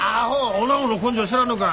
おなごの根性知らんのか。